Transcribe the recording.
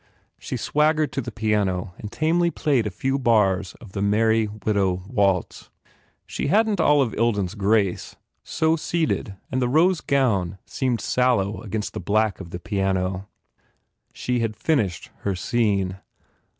She swaggered to the piano and tamely played a few bars of the Merry Widow waltz. She hadn t Olive Ilden s grace, so seated, and the rose gown seemed sallow against the black of the piano. She had finished her scene.